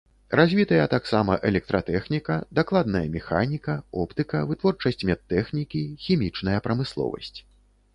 Развітыя таксама электратэхніка, дакладная механіка, оптыка, вытворчасць медтэхнікі, хімічная прамысловасць.